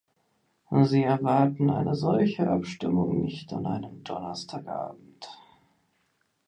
Sie erwarten eine solche Abstimmung nicht an einem Donnerstagabend.